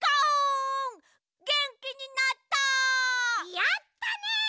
やったね！